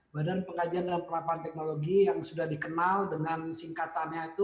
badan pengajian dan penerapan teknologi yang sudah dikenal dengan singkatannya itu